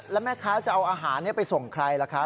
แล้วแม่ค้าจะเอาอาหารไปส่งใครล่ะคะ